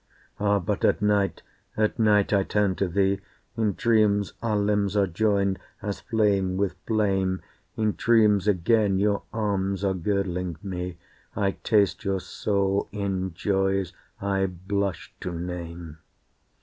Ah! but at night, At night I turn to thee. In dreams our limbs are joined, as flame with flame, In dreams again your arms are girdling me, I taste your soul in joys I blush to name.